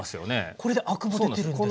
これでアクも出てるんですね。